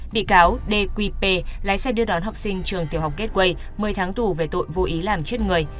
bị cáo d q p lái xe đưa đón học sinh trường tiểu học gateway một mươi tháng tù về tội vô ý làm chết người